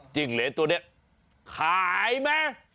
จิ้งเลนส์ตัวเนี่ยขายไหม